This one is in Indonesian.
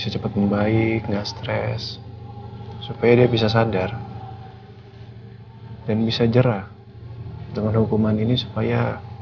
cepat membaik nggak stres supaya dia bisa sadar dan bisa jerah dengan hukuman ini supaya